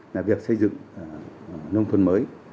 là việc xây dựng nông thuận mới